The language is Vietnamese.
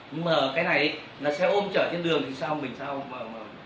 nhưng mà cái này là xe ôm chở trên đường thì sao mình sao